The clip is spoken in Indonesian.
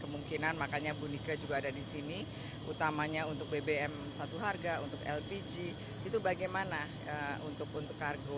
kemungkinan makanya bunika juga ada di sini utamanya untuk bbm satu harga untuk lpg itu bagaimana untuk kargo